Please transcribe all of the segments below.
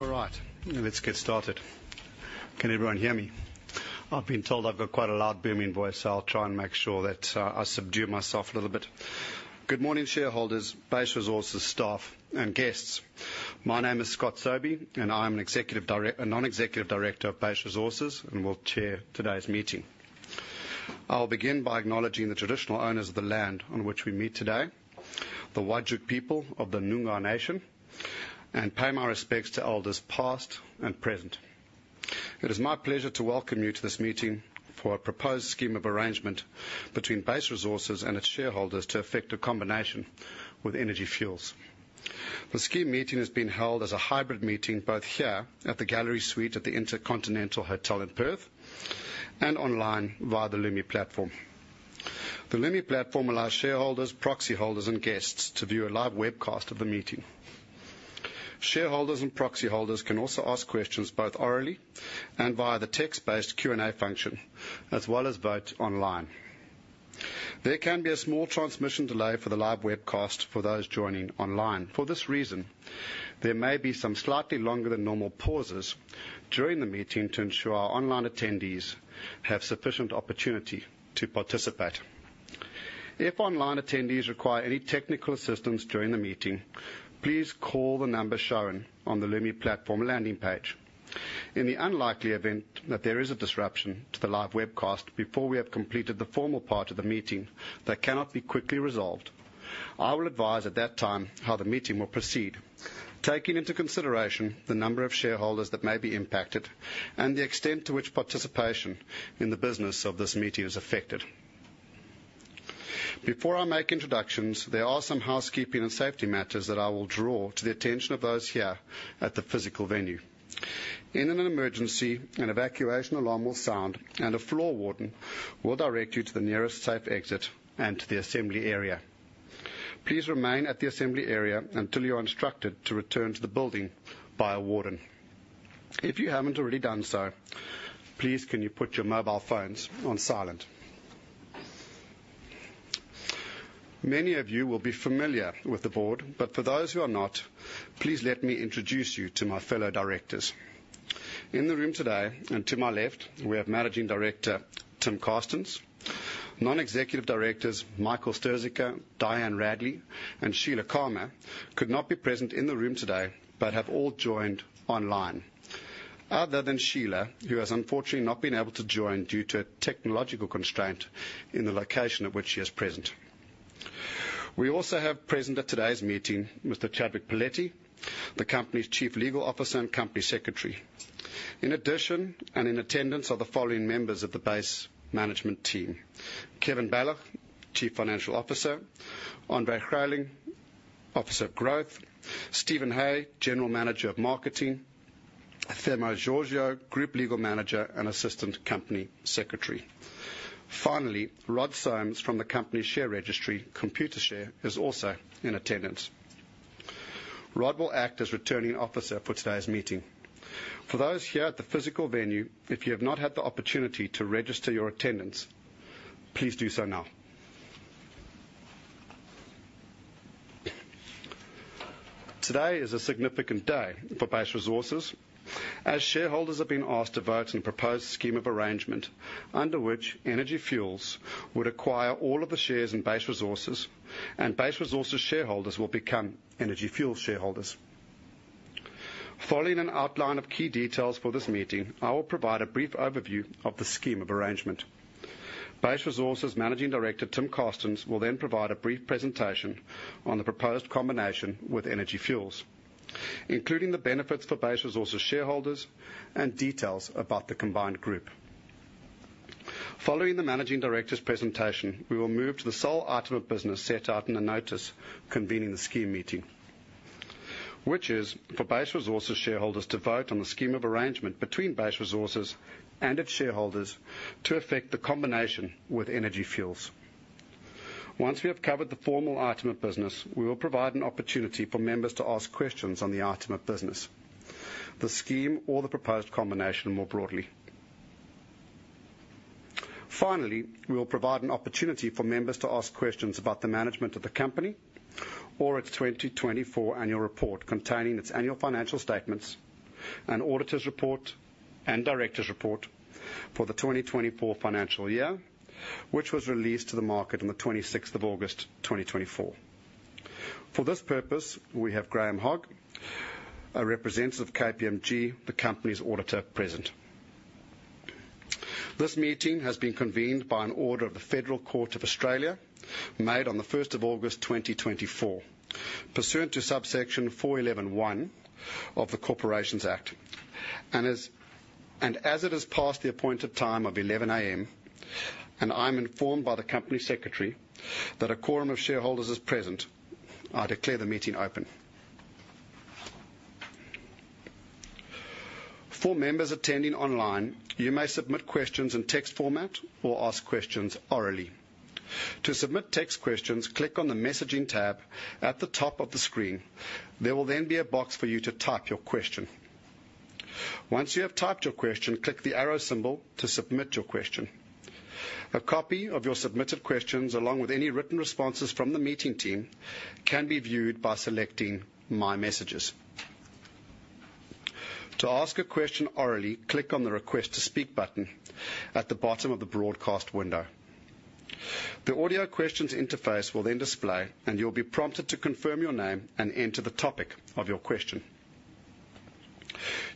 All right, let's get started. Can everyone hear me? I've been told I've got quite a loud, booming voice, so I'll try and make sure that I subdue myself a little bit. Good morning, shareholders, Base Resources staff, and guests. My name is Scot Sobey, and I'm a non-executive director of Base Resources and will chair today's meeting. I'll begin by acknowledging the traditional owners of the land on which we meet today, the Whadjuk people of the Noongar nation, and pay my respects to elders, past and present. It is my pleasure to welcome you to this meeting for a proposed scheme of arrangement between Base Resources and its shareholders to effect a combination with Energy Fuels. The Scheme Meeting is being held as a hybrid meeting, both here at the Gallery Suite at the InterContinental Hotel in Perth and online via the Lumi platform. The Lumi platform allows shareholders, proxy holders, and guests to view a live webcast of the meeting. Shareholders and proxy holders can also ask questions, both orally and via the text-based Q&A function, as well as vote online. There can be a small transmission delay for the live webcast for those joining online. For this reason, there may be some slightly longer than normal pauses during the meeting to ensure our online attendees have sufficient opportunity to participate. If online attendees require any technical assistance during the meeting, please call the number shown on the Lumi platform landing page. In the unlikely event that there is a disruption to the live webcast before we have completed the formal part of the meeting that cannot be quickly resolved, I will advise at that time how the meeting will proceed, taking into consideration the number of shareholders that may be impacted and the extent to which participation in the business of this meeting is affected. Before I make introductions, there are some housekeeping and safety matters that I will draw to the attention of those here at the physical venue. In an emergency, an evacuation alarm will sound, and a floor warden will direct you to the nearest safe exit and to the assembly area. Please remain at the assembly area until you are instructed to return to the building by a warden. If you haven't already done so, please, can you put your mobile phones on silent? Many of you will be familiar with the Board, but for those who are not, please let me introduce you to my fellow directors. In the room today and to my left, we have Managing Director, Tim Carstens. Non-executive directors Michael Stirzaker, Diane Radley, and Sheila Khama could not be present in the room today but have all joined online, other than Sheila, who has unfortunately not been able to join due to a technological constraint in the location at which she is present. We also have present at today's meeting Mr. Chadwick Poletti, the company's Chief Legal Officer and Company Secretary. In addition, and in attendance, are the following members of the Base management team: Kevin Balloch, Chief Financial Officer, Andre Greyling, Officer of Growth, Stephen Hay, General Manager of Marketing, Hermis Georgiou, Group Legal Manager and Assistant Company Secretary. Finally, Rod Symes from the company's share registry, Computershare, is also in attendance. Rod will act as returning officer for today's meeting. For those here at the physical venue, if you have not had the opportunity to register your attendance, please do so now. Today is a significant day for Base Resources as shareholders have been asked to vote on a proposed scheme of arrangement under which Energy Fuels would acquire all of the shares in Base Resources, and Base Resources shareholders will become Energy Fuels shareholders. Following an outline of key details for this meeting, I will provide a brief overview of the scheme of arrangement. Base Resources' Managing Director, Tim Carstens, will then provide a brief presentation on the proposed combination with Energy Fuels, including the benefits for Base Resources shareholders and details about the combined group. Following the Managing Director's presentation, we will move to the sole item of business set out in the notice convening the Scheme Meeting, which is for Base Resources shareholders to vote on the scheme of arrangement between Base Resources and its shareholders to effect the combination with Energy Fuels. Once we have covered the formal item of business, we will provide an opportunity for members to ask questions on the item of business, the scheme, or the proposed combination more broadly. Finally, we will provide an opportunity for members to ask questions about the management of the company or its 2024 annual report, containing its annual financial statements, an auditor's report, and directors' report for the 2024 financial year, which was released to the market on the 26 August, 2024. For this purpose, we have Graham Hogg, a representative of KPMG, the company's auditor, present. This meeting has been convened by an order of the Federal Court of Australia, made on the 1st of August 2024, pursuant to subsection 411(1) of the Corporations Act. As it has passed the appointed time of 11:00 A.M., and I'm informed by the Company Secretary that a quorum of shareholders is present, I declare the meeting open. For members attending online, you may submit questions in text format or ask questions orally. To submit text questions, click on the Messaging tab at the top of the screen. There will then be a box for you to type your question. Once you have typed your question, click the arrow symbol to submit your question. A copy of your submitted questions, along with any written responses from the meeting team, can be viewed by selecting My Messages. To ask a question orally, click on the Request to Speak button at the bottom of the broadcast window. The audio questions interface will then display, and you'll be prompted to confirm your name and enter the topic of your question.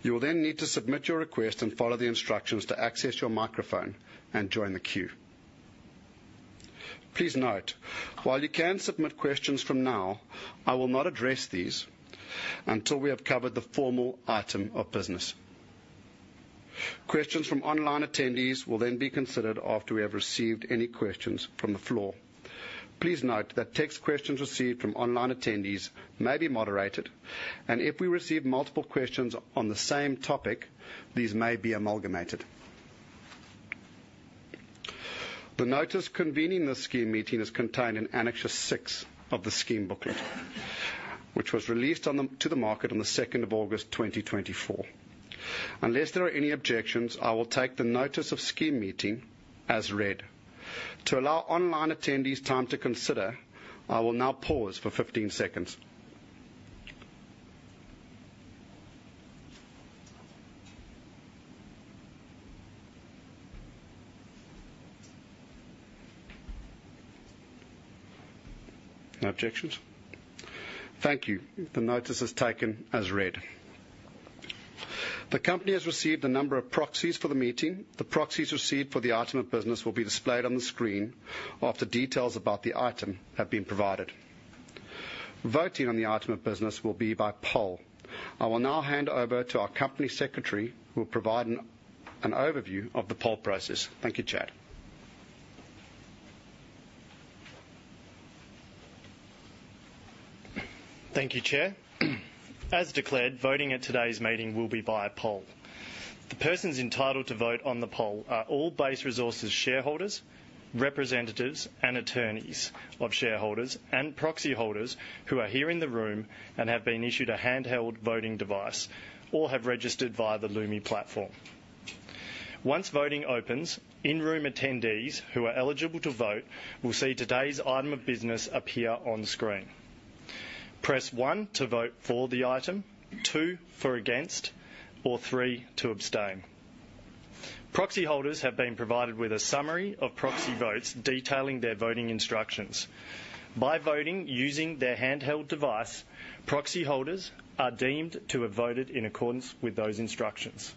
You will then need to submit your request and follow the instructions to access your microphone and join the queue. Please note, while you can submit questions from now, I will not address these until we have covered the formal item of business. Questions from online attendees will then be considered after we have received any questions from the floor. Please note that text questions received from online attendees may be moderated, and if we receive multiple questions on the same topic, these may be amalgamated. The notice convening this Scheme Meeting is contained in Annexure Six of the scheme booklet, which was released to the market on the second of August 2024. Unless there are any objections, I will take the notice of Scheme Meeting as read. To allow online attendees time to consider, I will now pause for 15 seconds. No objections? Thank you. The notice is taken as read. The company has received a number of proxies for the meeting. The proxies received for the item of business will be displayed on the screen after details about the item have been provided. Voting on the item of business will be by poll. I will now hand over to our Company Secretary, who will provide an overview of the poll process. Thank you, Chad. Thank you, Chair. As declared, voting at today's meeting will be via poll. The persons entitled to vote on the poll are all Base Resources shareholders, representatives, and attorneys of shareholders, and proxy holders who are here in the room and have been issued a handheld voting device or have registered via the Lumi platform. Once voting opens, in-room attendees who are eligible to vote will see today's item of business appear on screen. Press one to vote for the item, two for against, or three to abstain. Proxy holders have been provided with a summary of proxy votes detailing their voting instructions. By voting using their handheld device, proxy holders are deemed to have voted in accordance with those instructions.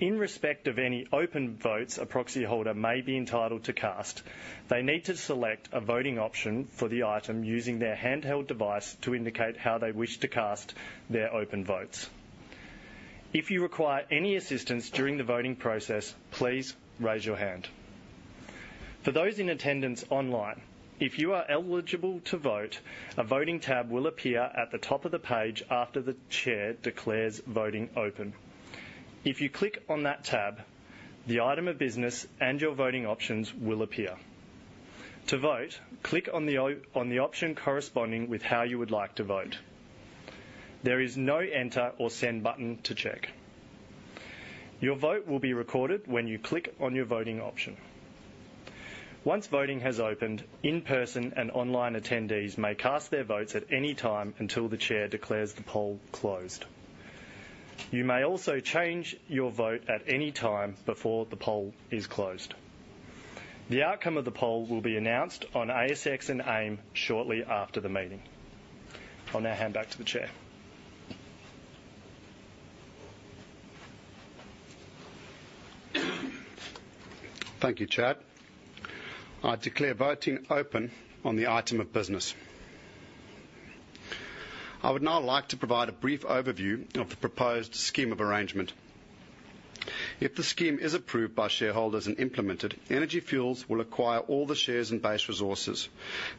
In respect of any open votes a proxy holder may be entitled to cast, they need to select a voting option for the item using their handheld device to indicate how they wish to cast their open votes. If you require any assistance during the voting process, please raise your hand. For those in attendance online, if you are eligible to vote, a voting tab will appear at the top of the page after the Chair declares voting open. If you click on that tab, the item of business and your voting options will appear. To vote, click on the option corresponding with how you would like to vote. There is no Enter or Send button to check. Your vote will be recorded when you click on your voting option. Once voting has opened, in-person and online attendees may cast their votes at any time until the Chair declares the poll closed. You may also change your vote at any time before the poll is closed. The outcome of the poll will be announced on ASX and AIM shortly after the meeting. I'll now hand back to the Chair. Thank you, Chad. I declare voting open on the item of business. I would now like to provide a brief overview of the proposed scheme of arrangement. If the scheme is approved by shareholders and implemented, Energy Fuels will acquire all the shares in Base Resources,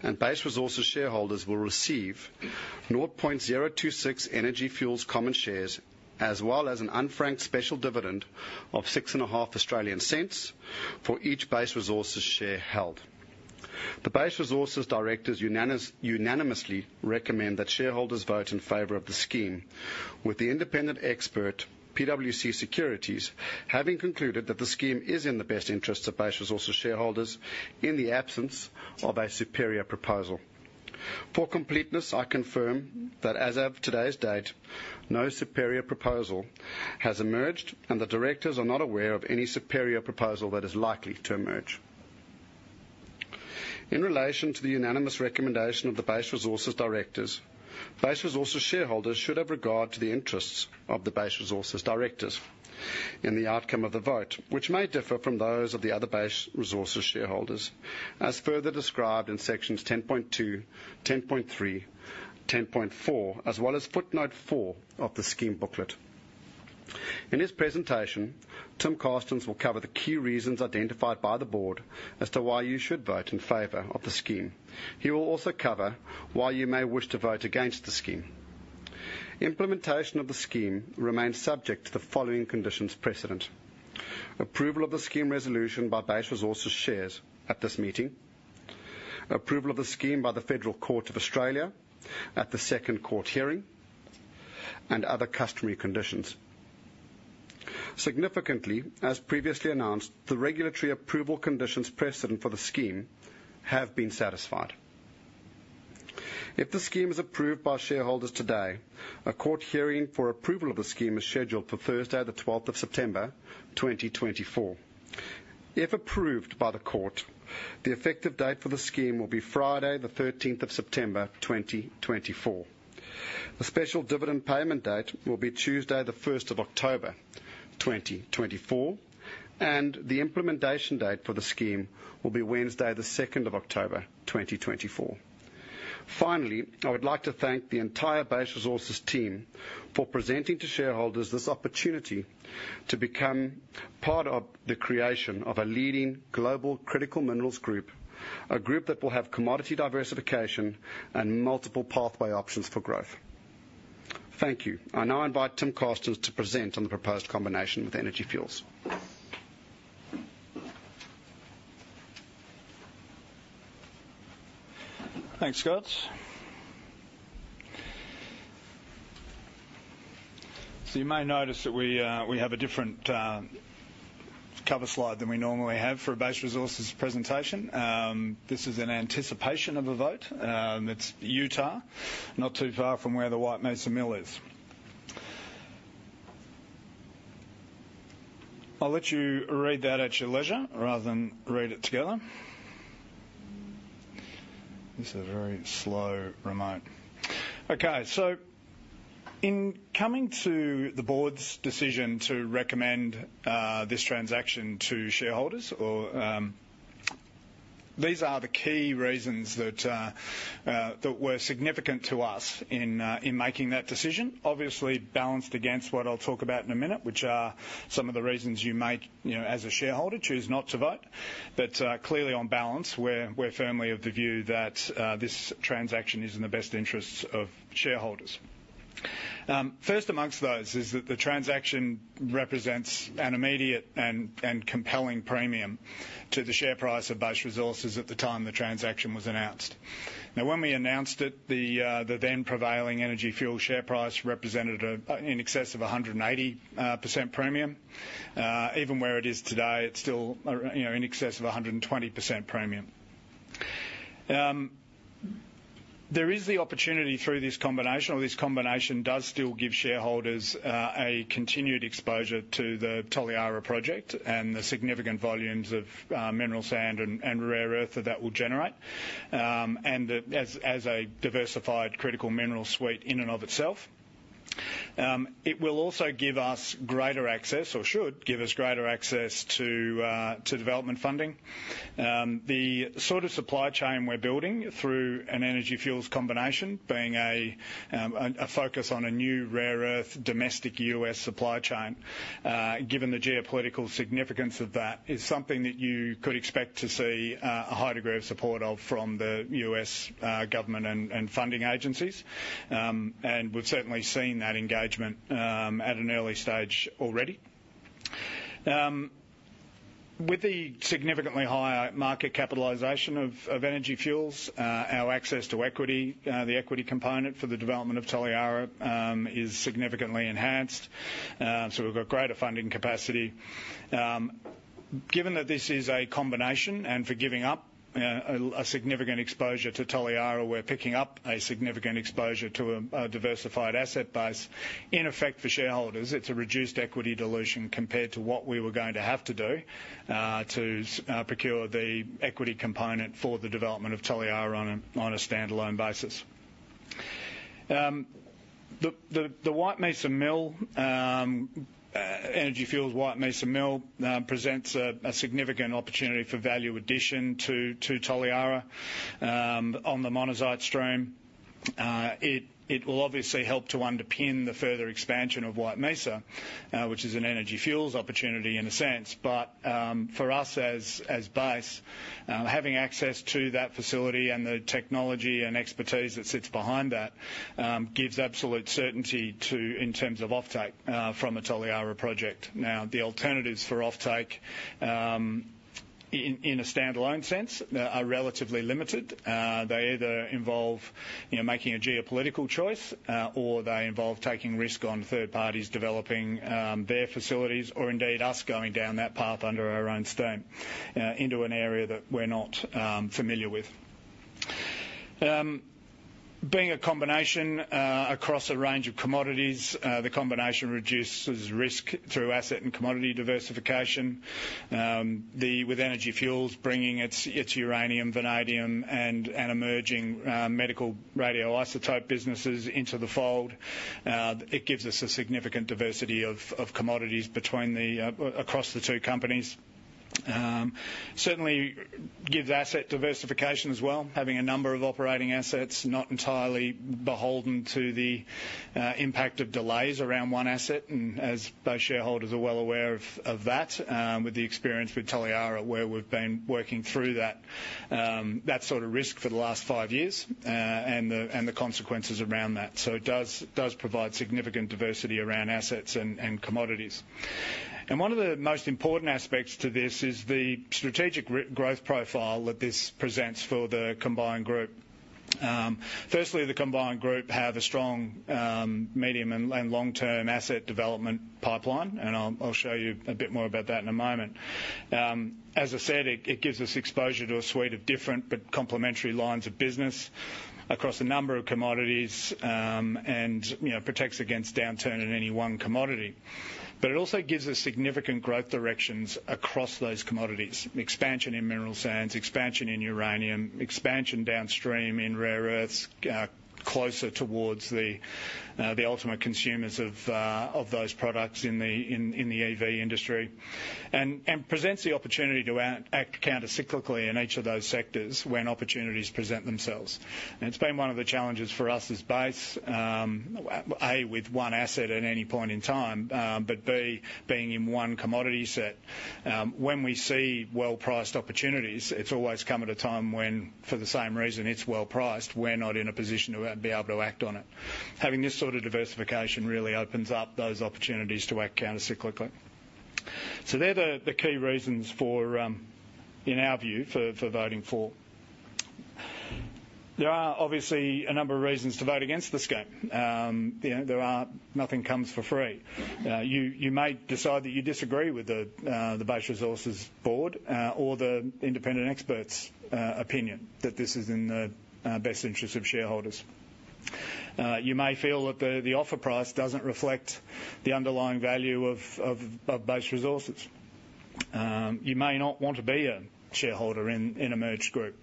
and Base Resources shareholders will receive 0.026 Energy Fuels common shares, as well as an unfranked special dividend of A$0.065 for each Base Resources share held. The Base Resources directors unanimously recommend that shareholders vote in favor of the scheme, with the independent expert, PwC Securities, having concluded that the scheme is in the best interest of Base Resources shareholders in the absence of a superior proposal. For completeness, I confirm that as of today's date, no superior proposal has emerged, and the directors are not aware of any superior proposal that is likely to emerge. In relation to the unanimous recommendation of the Base Resources directors, Base Resources shareholders should have regard to the interests of the Base Resources directors in the outcome of the vote, which may differ from those of the other Base Resources shareholders, as further described in sections ten point two, ten point three, ten point four, as well as footnote four of the scheme booklet. In this presentation, Tim Carstens will cover the key reasons identified by the Board as to why you should vote in favor of the scheme. He will also cover why you may wish to vote against the scheme. Implementation of the scheme remains subject to the following conditions precedent: approval of the scheme resolution by Base Resources shareholders at this meeting, approval of the scheme by the Federal Court of Australia at the second court hearing, and other customary conditions. Significantly, as previously announced, the regulatory approval conditions precedent for the scheme have been satisfied. If the scheme is approved by shareholders today, a court hearing for approval of the scheme is scheduled for Thursday the 12 September 2024. If approved by the court, the effective date for the scheme will be Friday the 13 September 2024. The special dividend payment date will be Tuesday the 1st of October 2024, and the implementation date for the scheme will be Wednesday the second of October 2024. Finally, I would like to thank the entire Base Resources team for presenting to shareholders this opportunity to become part of the creation of a leading global critical minerals group, a group that will have commodity diversification and multiple pathway options for growth. Thank you. I now invite Tim Carstens to present on the proposed combination with Energy Fuels. Thanks, Scot. So you may notice that we have a different, cover slide than we normally have for a Base Resources presentation. This is in anticipation of a vote. It's Utah, not too far from where the White Mesa Mill is. I'll let you read that at your leisure rather than read it together. This is a very slow, remote. Okay, so in coming to the Board's decision to recommend, this transaction to shareholders, or, these are the key reasons that, that were significant to us in, in making that decision. Obviously, balanced against what I'll talk about in a minute, which are some of the reasons you might, you know, as a shareholder, choose not to vote. But, clearly, on balance, we're, we're firmly of the view that, this transaction is in the best interests of shareholders. First amongst those is that the transaction represents an immediate and compelling premium to the share price of Base Resources at the time the transaction was announced. Now, when we announced it, the then prevailing Energy Fuels share price represented in excess of 180% premium. Even where it is today, it's still, you know, in excess of 120% premium. There is the opportunity through this combination, or this combination does still give shareholders a continued exposure to the Toliara project and the significant volumes of mineral sand and rare earth that will generate, and as a diversified critical mineral suite in and of itself. It will also give us greater access, or should give us greater access to development funding. The sort of supply chain we're building through an Energy Fuels combination, being a focus on a new rare earth domestic U.S. supply chain, given the geopolitical significance of that, is something that you could expect to see a high degree of support from the U.S. government and funding agencies. We've certainly seen that engagement at an early stage already. With the significantly higher market capitalization of Energy Fuels, our access to equity, the equity component for the development of Toliara is significantly enhanced, so we've got greater funding capacity. Given that this is a combination, and for giving up a significant exposure to Toliara, we're picking up a significant exposure to a diversified asset base. In effect, for shareholders, it's a reduced equity dilution compared to what we were going to have to do to procure the equity component for the development of Toliara on a standalone basis. The White Mesa Mill, Energy Fuels' White Mesa Mill, presents a significant opportunity for value addition to Toliara on the monazite stream. It will obviously help to underpin the further expansion of White Mesa, which is an Energy Fuels opportunity in a sense, but for us as Base, having access to that facility and the technology and expertise that sits behind that gives absolute certainty to... in terms of offtake from the Toliara project. Now, the alternatives for offtake in a standalone sense are relatively limited. They either involve, you know, making a geopolitical choice, or they involve taking risk on third parties developing their facilities, or indeed us going down that path under our own steam, into an area that we're not familiar with. Being a combination across a range of commodities, the combination reduces risk through asset and commodity diversification. With Energy Fuels bringing its, its uranium, vanadium, and an emerging medical radioisotope businesses into the fold, it gives us a significant diversity of, of commodities between the across the two companies. Certainly gives asset diversification as well, having a number of operating assets not entirely beholden to the impact of delays around one asset. And as Base shareholders are well aware of that, with the experience with Toliara, where we've been working through that sort of risk for the last five years, and the consequences around that. So it does provide significant diversity around assets and commodities. And one of the most important aspects to this is the strategic growth profile that this presents for the combined group. Firstly, the combined group have a strong medium and long-term asset development pipeline, and I'll show you a bit more about that in a moment. As I said, it gives us exposure to a suite of different but complementary lines of business across a number of commodities, and you know, protects against downturn in any one commodity. But it also gives us significant growth directions across those commodities. Expansion in mineral sands, expansion in uranium, expansion downstream in rare earths, closer towards the ultimate consumers of those products in the EV industry, and presents the opportunity to act countercyclically in each of those sectors when opportunities present themselves. It's been one of the challenges for us as Base, with one asset at any point in time, but being in one commodity set. When we see well-priced opportunities, it's always come at a time when, for the same reason it's well-priced, we're not in a position to be able to act on it. Having this sort of diversification really opens up those opportunities to act countercyclically. So they're the key reasons for, in our view, for voting for. There are obviously a number of reasons to vote against the scheme. You know, nothing comes for free. You may decide that you disagree with the Base Resources Board or the independent expert's opinion that this is in the best interest of shareholders. You may feel that the offer price doesn't reflect the underlying value of Base Resources. You may not want to be a shareholder in a merged group,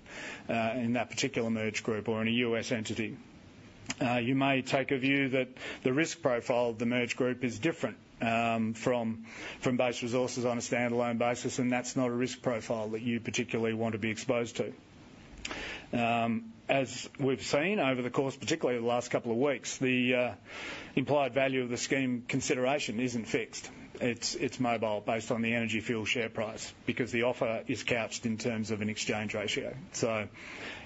in that particular merged group or in a U.S. entity. You may take a view that the risk profile of the merged group is different from Base Resources on a standalone basis, and that's not a risk profile that you particularly want to be exposed to. As we've seen over the course, particularly over the last couple of weeks, the implied value of the scheme consideration isn't fixed. It's mobile based on the Energy Fuels share price because the offer is couched in terms of an exchange ratio. So,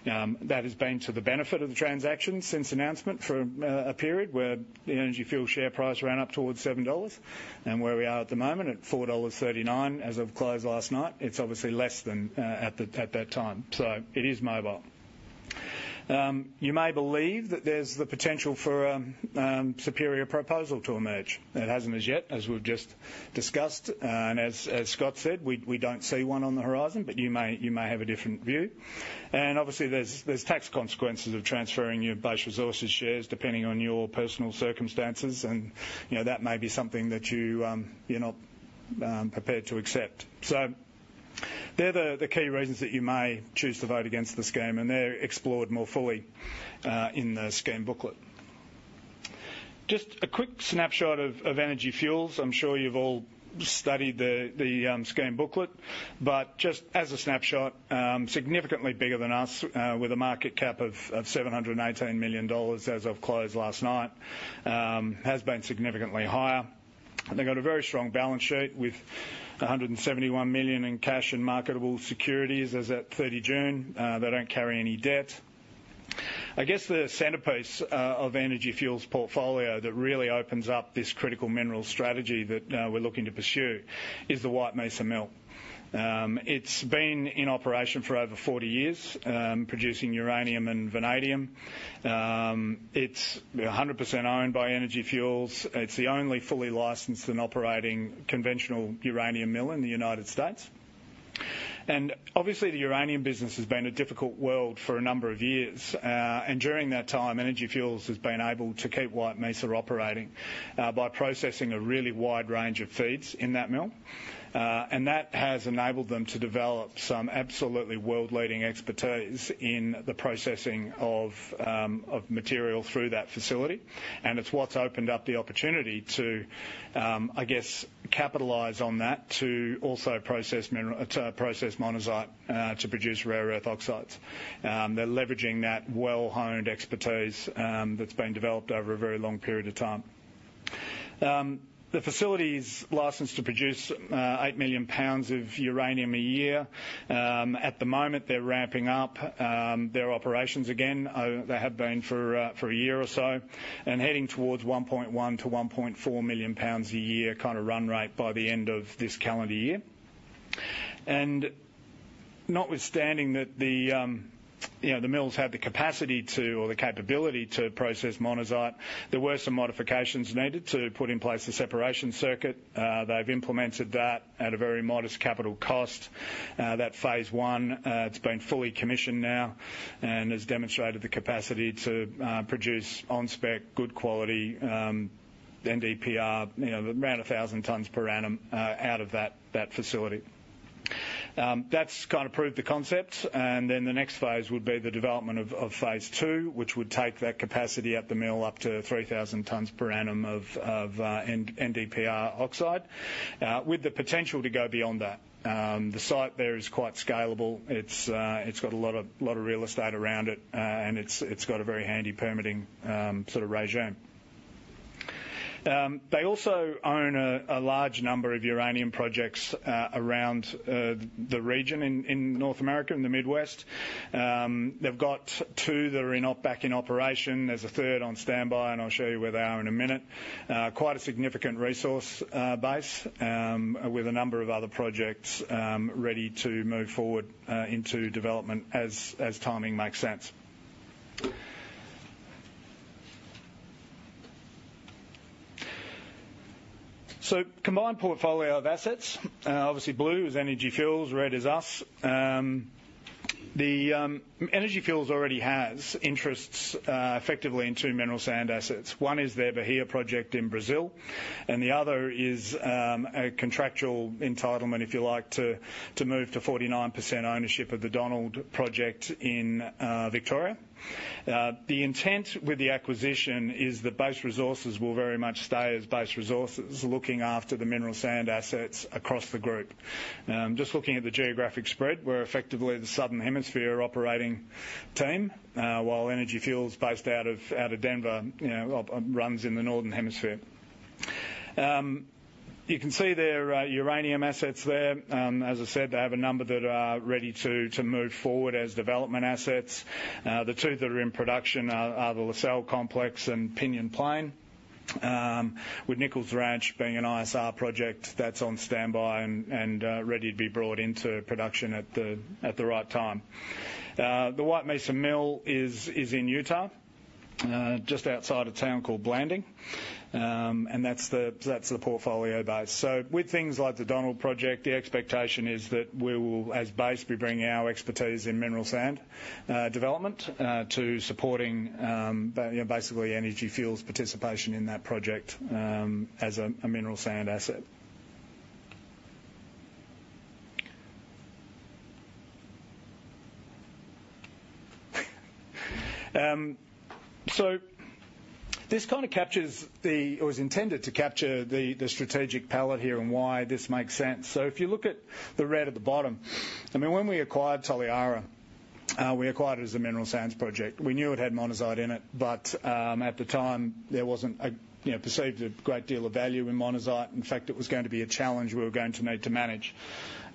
that has been to the benefit of the transaction since announcement for a period where the Energy Fuels share price ran up towards $7, and where we are at the moment, at $4.39 as of close last night, it's obviously less than at that time. So it is mobile. You may believe that there's the potential for superior proposal to emerge. It hasn't as yet, as we've just discussed, and as Scott said, we don't see one on the horizon, but you may have a different view. Obviously, there's tax consequences of transferring your Base Resources shares depending on your personal circumstances, and, you know, that may be something that you're not prepared to accept. So they're the key reasons that you may choose to vote against the scheme, and they're explored more fully in the scheme booklet. Just a quick snapshot of Energy Fuels. I'm sure you've all studied the scheme booklet, but just as a snapshot, significantly bigger than us, with a market cap of $718 million as of close last night, has been significantly higher. They've got a very strong balance sheet with $171 million in cash and marketable securities as at 30 June. They don't carry any debt. I guess the centerpiece of Energy Fuels' portfolio that really opens up this critical mineral strategy that we're looking to pursue is the White Mesa Mill. It's been in operation for over 40 years, producing uranium and vanadium. It's 100% owned by Energy Fuels. It's the only fully licensed and operating conventional uranium mill in the U.S. And obviously, the uranium business has been a difficult world for a number of years. And during that time, Energy Fuels has been able to keep White Mesa operating by processing a really wide range of feeds in that mill. And that has enabled them to develop some absolutely world-leading expertise in the processing of material through that facility. And it's what's opened up the opportunity to, I guess, capitalize on that to also process monazite to produce rare earth oxides. They're leveraging that well-honed expertise that's been developed over a very long period of time. The facility's licensed to produce eight million pounds of uranium a year. At the moment, they're ramping up their operations again. They have been for a year or so, and heading towards 1.1-1.4 million pounds a year kind of run rate by the end of this calendar year. And notwithstanding that the, you know, the mills have the capacity to, or the capability to process monazite, there were some modifications needed to put in place a separation circuit. They've implemented that at a very modest capital cost. That phase one, it's been fully commissioned now and has demonstrated the capacity to produce on-spec, good quality NdPr, you know, around 1,000 tons per annum out of that facility. That's kind of proved the concept, and then the next phase would be the development of phase two, which would take that capacity at the mill up to 3,000 tons per annum of NdPr oxide with the potential to go beyond that. The site there is quite scalable. It's got a lot of real estate around it, and it's got a very handy permitting sort of regime. They also own a large number of uranium projects around the region in North America, in the Midwest. They've got two that are in operation. There's a third on standby, and I'll show you where they are in a minute. Quite a significant resource base, with a number of other projects, ready to move forward, into development as, as timing makes sense, so combined portfolio of assets, obviously, blue is Energy Fuels, red is us. The Energy Fuels already has interests, effectively in two mineral sands assets. One is their Bahia Project in Brazil, and the other is a contractual entitlement, if you like, to move to 49% ownership of the Donald Project in Victoria. The intent with the acquisition is that Base Resources will very much stay as Base Resources, looking after the mineral sands assets across the group. Just looking at the geographic spread, we're effectively the Southern Hemisphere operating team, while Energy Fuels, based out of Denver, you know, runs in the Northern Hemisphere. You can see their uranium assets there. As I said, they have a number that are ready to move forward as development assets. The two that are in production are the La Sal Complex and Pinyon Plain, with Nichols Ranch being an ISR project that's on standby and ready to be brought into production at the right time. The White Mesa Mill is in Utah, just outside a town called Blanding. And that's the portfolio base. So with things like the Donald Project, the expectation is that we will, as Base, be bringing our expertise in mineral sand development to supporting, you know, basically Energy Fuels' participation in that project as a mineral sand asset. So this kind of captures the... or is intended to capture the strategic palette here and why this makes sense. So if you look at the red at the bottom, I mean, when we acquired Toliara, we acquired it as a mineral sands project. We knew it had monazite in it, but at the time, there wasn't, you know, perceived a great deal of value in monazite. In fact, it was going to be a challenge we were going to need to manage.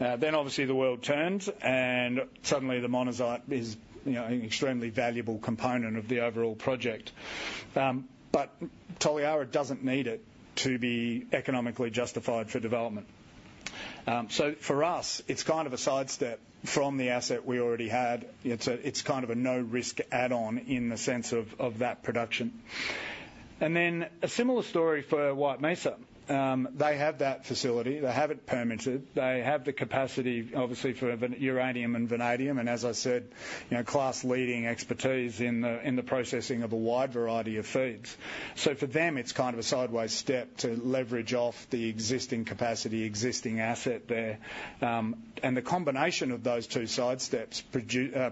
Obviously, the world turned, and suddenly the monazite is, you know, an extremely valuable component of the overall project, but Toliara doesn't need it to be economically justified for development, so for us, it's kind of a sidestep from the asset we already had. It's kind of a no-risk add-on in the sense of that production, and then a similar story for White Mesa. They have that facility, they have it permitted, they have the capacity, obviously, for uranium and vanadium, and as I said, you know, class-leading expertise in the processing of a wide variety of feeds, so for them, it's kind of a sideways step to leverage off the existing capacity, existing asset there, and the combination of those two sidesteps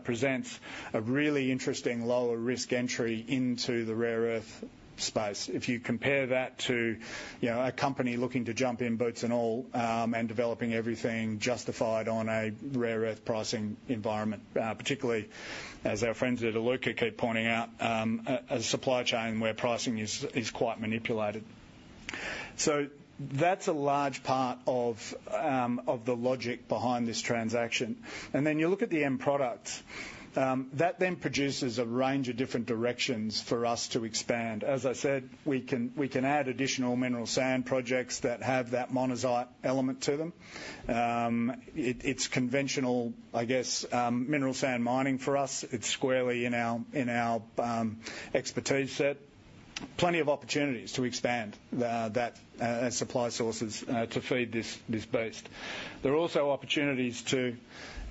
presents a really interesting lower-risk entry into the rare earth space. If you compare that to, you know, a company looking to jump in, boots and all, and developing everything justified on a rare earth pricing environment, particularly, as our friends at Iluka keep pointing out, a supply chain where pricing is quite manipulated. So that's a large part of the logic behind this transaction. And then you look at the end product. That then produces a range of different directions for us to expand. As I said, we can add additional mineral sand projects that have that monazite element to them. It’s conventional, I guess, mineral sand mining for us. It's squarely in our expertise set. Plenty of opportunities to expand the supply sources to feed this beast. There are also opportunities to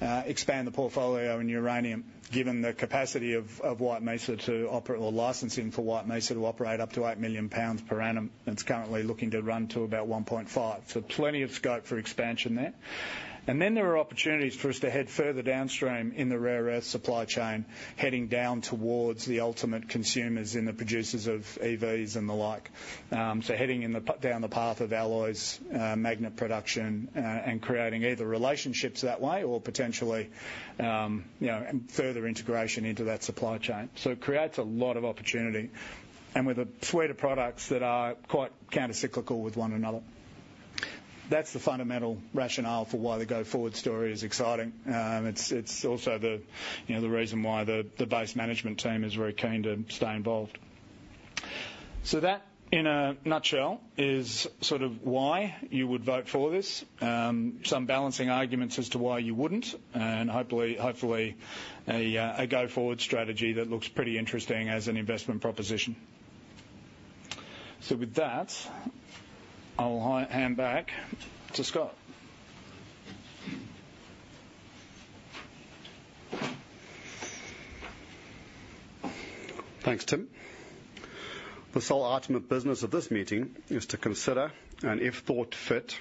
expand the portfolio in uranium, given the capacity of White Mesa to operate or licensing for White Mesa to operate up to eight million pounds per annum. It's currently looking to run to about one point five, so plenty of scope for expansion there. And then there are opportunities for us to head further downstream in the rare earth supply chain, heading down towards the ultimate consumers and the producers of EVs and the like, so heading down the path of alloys, magnet production, and creating either relationships that way or potentially, you know, and further integration into that supply chain. So it creates a lot of opportunity, and with a suite of products that are quite countercyclical with one another. That's the fundamental rationale for why the go-forward story is exciting. It's also, you know, the reason why the Base management team is very keen to stay involved. So that, in a nutshell, is sort of why you would vote for this. Some balancing arguments as to why you wouldn't, and hopefully a go-forward strategy that looks pretty interesting as an investment proposition. So with that, I'll hand back to Scot. Thanks, Tim. The sole item of business of this meeting is to consider, and if thought fit,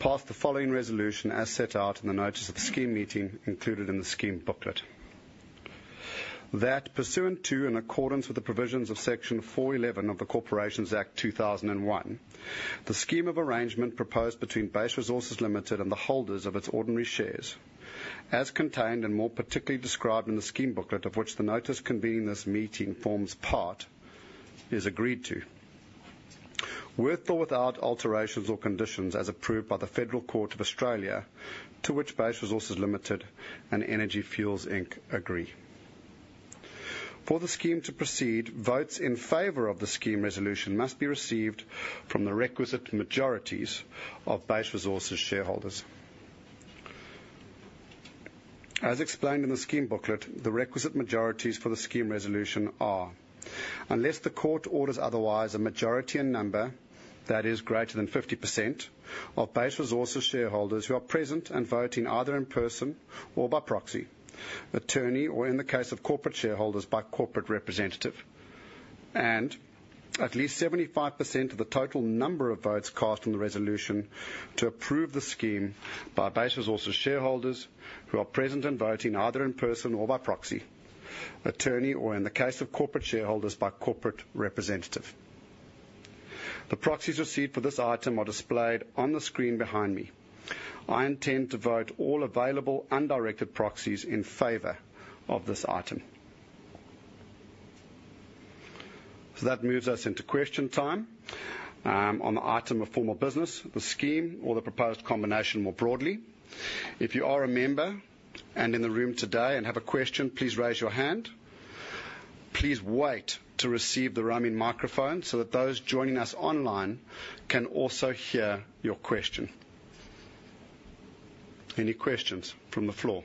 pass the following resolution as set out in the notice of the Scheme Meeting, included in the scheme booklet. That pursuant to, and in accordance with the provisions of Section 411 of the Corporations Act 2001, the scheme of arrangement proposed between Base Resources Limited and the holders of its ordinary shares, as contained and more particularly described in the scheme booklet, of which the notice convening this meeting forms part, is agreed to, with or without alterations or conditions, as approved by the Federal Court of Australia, to which Base Resources Limited and Energy Fuels Inc. agree. For the scheme to proceed, votes in favor of the scheme resolution must be received from the requisite majorities of Base Resources shareholders. As explained in the scheme booklet, the requisite majorities for the scheme resolution are: unless the court orders otherwise, a majority in number that is greater than 50% of Base Resources shareholders who are present and voting either in person or by proxy, attorney, or in the case of corporate shareholders, by corporate representative, and at least 75% of the total number of votes cast on the resolution to approve the scheme by Base Resources shareholders who are present and voting either in person or by proxy, attorney, or in the case of corporate shareholders, by corporate representative. The proxies received for this item are displayed on the screen behind me. I intend to vote all available undirected proxies in favor of this item, so that moves us into question time, on the item of formal business, the scheme, or the proposed combination more broadly. If you are a member and in the room today and have a question, please raise your hand. Please wait to receive the roaming microphone so that those joining us online can also hear your question. Any questions from the floor?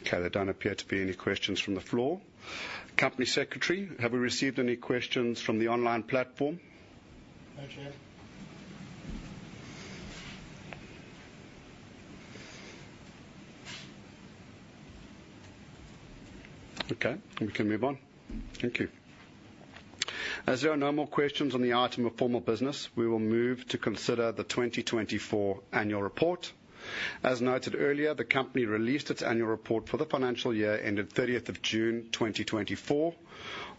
Okay, there don't appear to be any questions from the floor. Company Secretary, have we received any questions from the online platform? No, Chair. Okay, we can move on. Thank you. As there are no more questions on the item of formal business, we will move to consider the 2024 annual report. As noted earlier, the company released its annual report for the financial year ending 30 June 2024,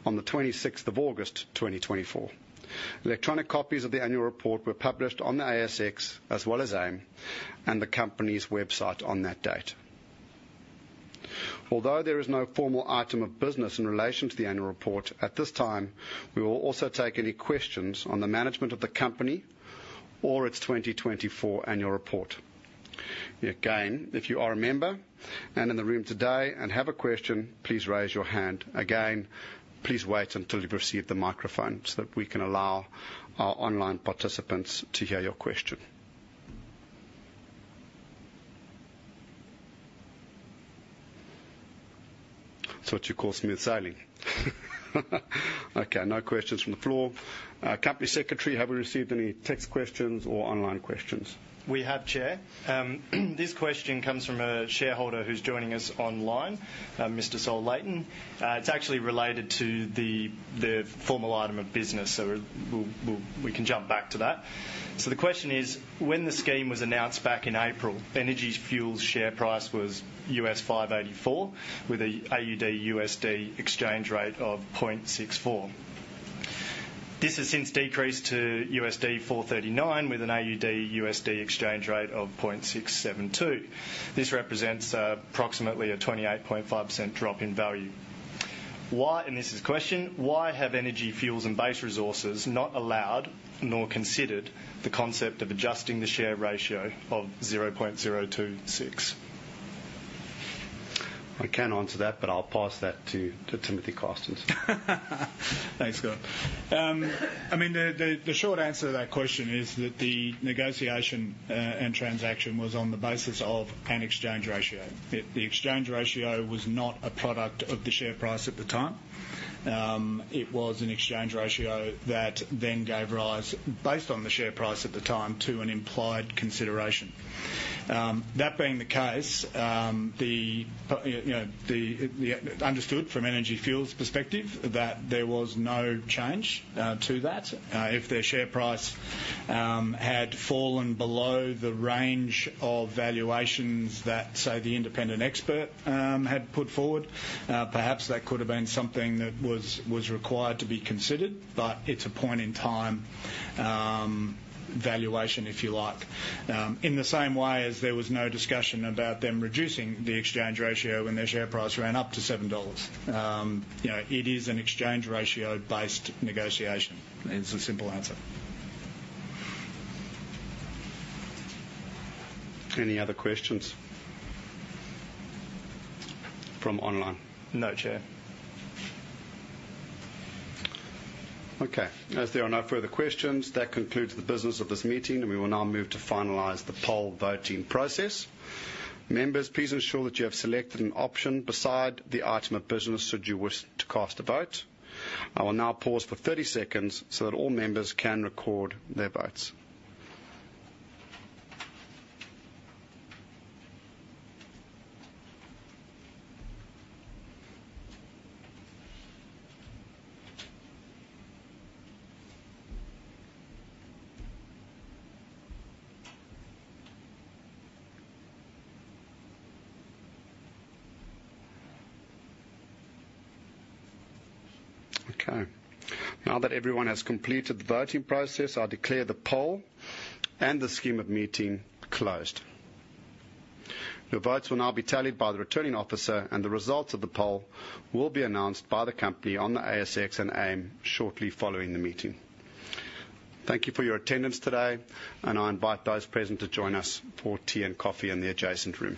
on the 26 August 2024. Electronic copies of the annual report were published on the ASX, as well as AIM, and the company's website on that date. Although there is no formal item of business in relation to the annual report at this time, we will also take any questions on the management of the company or its 2024 annual report. Again, if you are a member and in the room today and have a question, please raise your hand. Again, please wait until you've received the microphone, so that we can allow our online participants to hear your question. So what you call smooth sailing? Okay, no questions from the floor. Company Secretary, have we received any text questions or online questions? We have, Chair. This question comes from a shareholder who's joining us online, Mr. Saul Layton. It's actually related to the formal item of business, so we can jump back to that. So the question is: When the scheme was announced back in April, Energy Fuels share price was $0.584, with a AUD-USD exchange rate of 0.64. This has since decreased to $0.439, with an AUD-USD exchange rate of 0.672. This represents approximately a 28.5% drop in value. Why, and this is the question: Why have Energy Fuels and Base Resources not allowed nor considered the concept of adjusting the share ratio of 0.026? I can answer that, but I'll pass that to Tim Carstens. Thanks, Scot. I mean, the short answer to that question is that the negotiation and transaction was on the basis of an exchange ratio. The exchange ratio was not a product of the share price at the time. It was an exchange ratio that then gave rise, based on the share price at the time, to an implied consideration. That being the case, you know, understood from Energy Fuels' perspective, that there was no change to that. If their share price had fallen below the range of valuations that, say, the independent expert had put forward, perhaps that could have been something that was required to be considered, but it's a point in time valuation, if you like. In the same way as there was no discussion about them reducing the exchange ratio when their share price ran up to $7. You know, it is an exchange ratio-based negotiation. It's a simple answer. Any other questions from online? No, Chair. Okay, as there are no further questions, that concludes the business of this meeting, and we will now move to finalize the poll voting process. Members, please ensure that you have selected an option beside the item of business, should you wish to cast a vote. I will now pause for 30 seconds so that all members can record their votes. Okay, now that everyone has completed the voting process, I declare the poll and the Scheme Meeting closed. Your votes will now be tallied by the returning officer, and the results of the poll will be announced by the company on the ASX and AIM shortly following the meeting. Thank you for your attendance today, and I invite those present to join us for tea and coffee in the adjacent room.